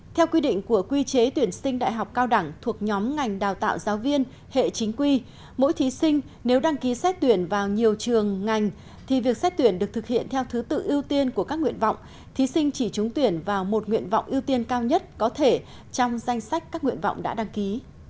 theo quy định của quy chế tuyển sinh đại học cao đẳng thuộc nhóm ngành đào tạo giáo viên hệ chính quy mỗi thí sinh nếu đăng ký xét tuyển vào nhiều trường ngành thì việc xét tuyển được thực hiện theo thứ tự ưu tiên của các nguyện vọng thí sinh chỉ trúng tuyển vào một nguyện vọng ưu tiên cao nhất có thể trong danh sách các nguyện vọng đã đăng ký